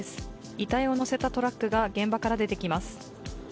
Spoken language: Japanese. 遺体を乗せたトラックが現場から出てきます。